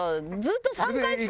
ずっと３回しか。